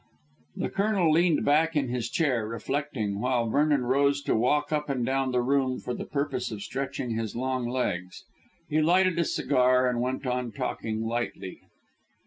The Colonel leaned back in his chair, reflecting, while Vernon rose to walk up and down the room for the purpose of stretching his long legs. He lighted a cigar and went on talking lightly.